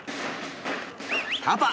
パパ